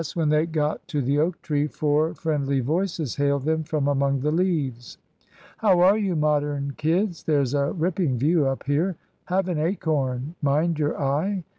when they got to the oak tree, four friendly voices hailed them from among the leaves. "How are you, Modern kids? There's a ripping view up here. Have an acorn? Mind your eye.